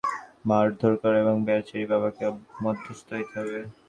এদেশে মায়ের কাজ ছেলেকে মারধোর করা, এবং বেচারী বাবাকে মধ্যস্থ হইতে হয়।